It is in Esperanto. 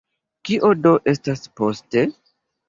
Kio do estas poste?